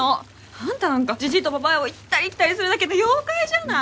あんたなんかジジイとババアを行ったり来たりするだけの妖怪じゃない。